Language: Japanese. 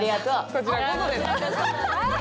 こちらこそです。